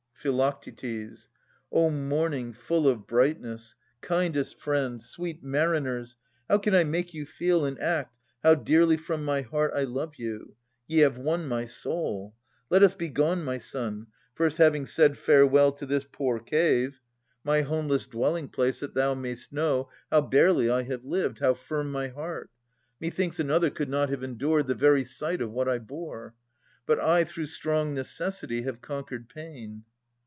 Phi. O morning full of brightness ! Kindest friend, Sweet mariners, how can I make you feel. In act, how dearly from my heart I love you ! Ye have won my soul. Let us be gone, my son, — First having said farewell to this poor cave, 286 Philodetes [534 563 My homeless dwelling place, that thou may'st know, How barely I .have lived, how firm my heart ! Methinks another could not have endured The very sight of what I bore. But I Through strong necessity have conquered pain.